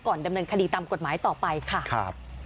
ก่อนดำเนินคดีตามกฎหมายต่อไปค่ะ